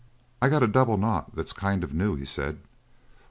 "I got a double knot that's kind of new," he said.